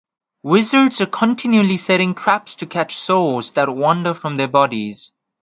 Wizards are continually setting traps to catch souls that wander from their bodies.